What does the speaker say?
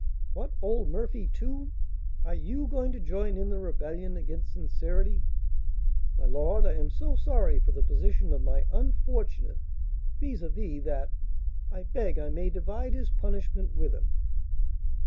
"What! old Murphy, too? Are you going to join in the rebellion against sincerity?" "My lord, I am so sorry for the position of my unfortunate vis à vis, that I beg I may divide his punishment with him."